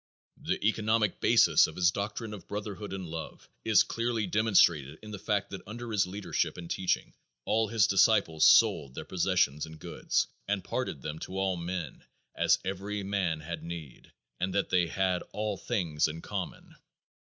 The economic basis of his doctrine of brotherhood, and love is clearly demonstrated in the fact that under his leadership and teaching all his disciples "sold their possessions and goods, and parted them to all men, as every man had need," and that they "had all things in common."